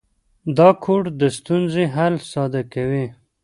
دا کوډ د ستونزې حل ساده کوي.